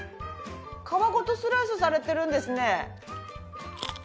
皮ごとスライスされてるんですね。